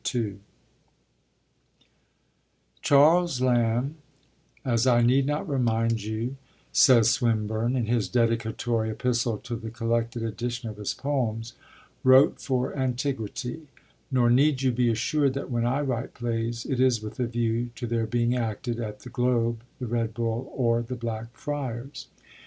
II 'Charles Lamb, as I need not remind you,' says Swinburne in his dedicatory epistle to the collected edition of his poems, 'wrote for antiquity: nor need you be assured that when I write plays it is with a view to their being acted at the Globe, the Red Bull, or the Black Friars.'